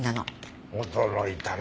驚いたな。